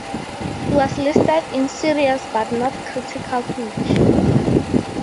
He was listed in serious, but not critical condition.